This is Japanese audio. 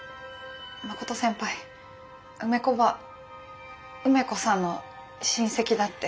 真琴先輩梅子ばぁ梅子さんの親戚だって。